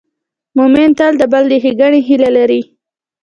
مؤمن تل د بل د ښېګڼې هیله لري.